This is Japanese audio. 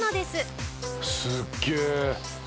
「すっげえ」